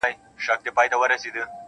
د مستو پېغلو د پاولیو وطن-